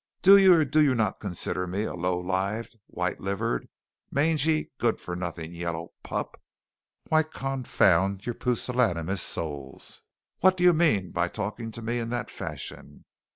Do you or do you not consider me a low lived, white livered, mangy, good for nothing yellow pup? Why, confound your pusillanimous souls, what do you mean by talking to me in that fashion?